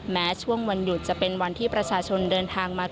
แม้ช่วงวันหยุดจะเป็นวันที่ประชาชนเดินทางมา